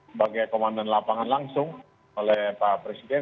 sebagai komandan lapangan langsung oleh pak presiden